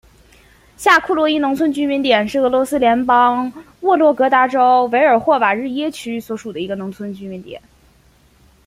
下库洛伊农村居民点是俄罗斯联邦沃洛格达州韦尔霍瓦日耶区所属的一个农村居民点。